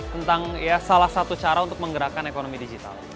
tentang salah satu cara untuk menggerakkan ekonomi digital